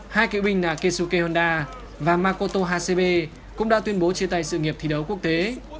hai cựu binh là kisuke honda và makoto hasebe cũng đã tuyên bố chia tay sự nghiệp thi đấu quốc tế